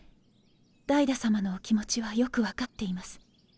ダイダ様のお気持ちはよく分かっています。